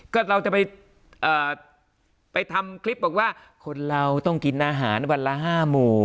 ก็เราจะไปทำคลิปบอกว่าคนเราต้องกินอาหารวันละ๕หมู่